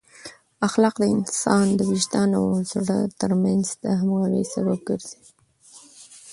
اخلاق د انسان د وجدان او زړه ترمنځ د همغږۍ سبب ګرځي.